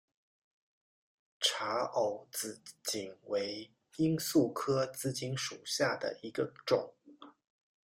察隅紫堇为罂粟科紫堇属下的一个种。